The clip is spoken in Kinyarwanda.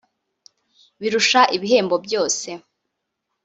birusha ibihembo byose